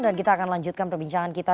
dan kita akan lanjutkan perbincangan kita